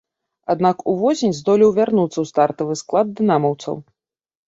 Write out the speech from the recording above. Аднак увосень здолеў вярнуцца ў стартавы склад дынамаўцаў.